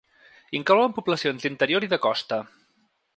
Inclouen poblacions d’interior i de costa.